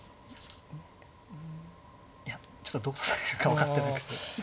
いやちょっとどう指されるか分かってなくて。